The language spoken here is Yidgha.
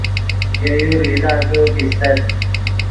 ژے یو ریزہ کہ پیستت